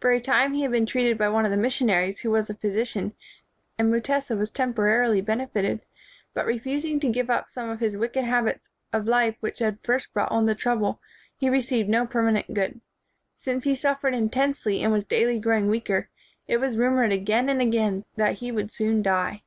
For a time he had been treated by one of the missionaries, who was a physi cian, and Mutesa was temporarily benefited ; but refusing to give up some of his wicked habits of life which had first brought on the trouble, he received no permanent good. Since he suffered intensely and was daily growing weaker, it was rumored again and again that he would soon die.